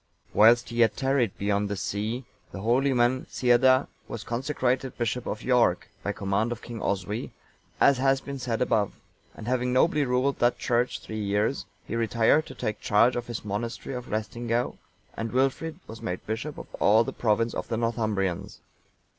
Whilst he yet tarried beyond the sea, the holy man, Ceadda,(908) was consecrated bishop of York(909) by command of King Oswy, as has been said above; and having nobly ruled that church three years, he retired to take charge of his monastery of Laestingaeu, and Wilfrid was made bishop of all the province of the Northumbrians.